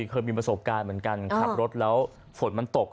เคยมีประสบการณ์เหมือนกันขับรถแล้วฝนมันตก